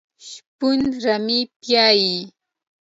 شپون رمه پیایي .